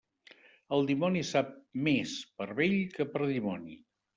El dimoni sap més per vell que per dimoni.